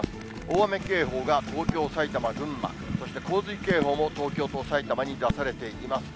大雨警報が東京、埼玉、群馬、そして洪水警報も、東京と埼玉に出されています。